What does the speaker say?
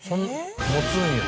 持つんや。